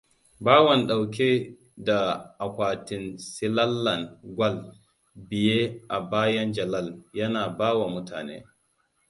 Bawan ɗauke da akwatin silallan gwal biye a bayan Jalal, yana bawa mutane.